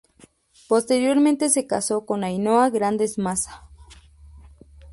Posteriormente se casó con Ainhoa Grandes Massa.